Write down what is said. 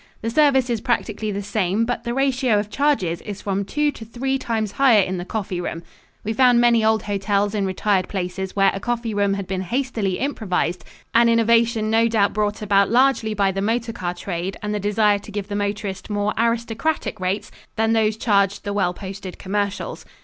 The service is practically the same, but the ratio of charges is from two to three times higher in the coffee room. We found many old hotels in retired places where a coffee room had been hastily improvised, an innovation no doubt brought about largely by the motor car trade and the desire to give the motorist more aristocratic rates than those charged the well posted commercials.